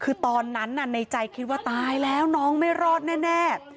คือตอนนั้นในใจคิดว่าตายแล้วน้องไม่รอดแน่